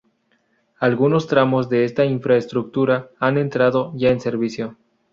Algunos tramos de esta infraestructura han entrado ya en servicio.